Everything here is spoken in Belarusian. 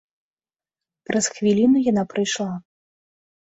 Праз хвіліну яна прыйшла.